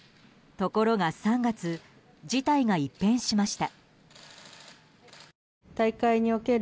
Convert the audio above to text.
ところが３月事態が一変しました。